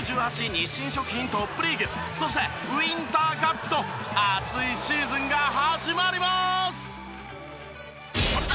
日清食品トップリーグそしてウインターカップと熱いシーズンが始まります！